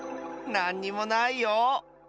なんにもないよ！